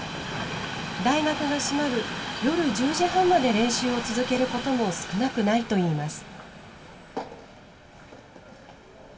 大学が閉まる夜１０時半まで練習を続けることも少なくないといいます。